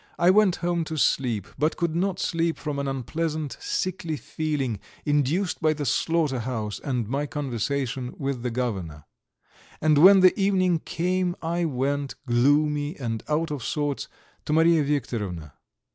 I went home to sleep, but could not sleep from an unpleasant, sickly feeling, induced by the slaughter house and my conversation with the Governor, and when the evening came I went, gloomy and out of sorts, to Mariya Viktorovna.